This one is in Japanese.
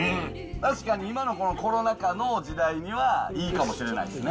確かに今のコロナ禍の時代にはいいかもしれないですね。